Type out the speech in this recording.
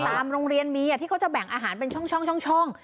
ตามโรงเรียนมีที่เขาจะแบ่งอาหารเป็นช่อง